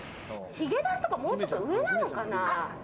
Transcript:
ヒゲダンとかもうちょっと上なのかな？